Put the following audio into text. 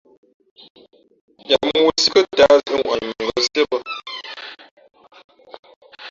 Ya mōō sǐ kάtǎh zʉ̄ʼŋwαʼni mα ngα̌ síé bᾱ.